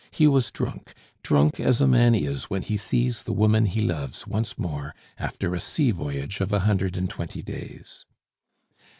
He was drunk, drunk as a man is when he sees the woman he loves once more, after a sea voyage of a hundred and twenty days.